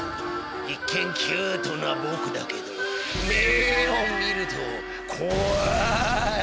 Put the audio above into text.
一見キュートなぼくだけど目を見るとこわい！